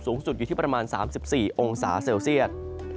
สูงสุดอยู่ที่ประมาณ๓๔องศาเซลเซียต